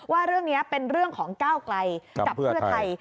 ว่าเรื่องนี้เป็นเรื่องของก้าวไกลกับเพื่อไทย